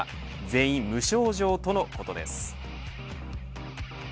全員、無症状とのことです。